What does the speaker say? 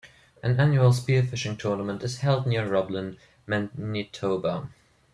An annual spearfishing tournament is held near Roblin, Manitoba.